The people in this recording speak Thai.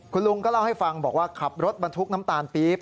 คุณลุงก็เล่าให้ฟังบอกว่าขับรถบรรทุกน้ำตาลปี๊บ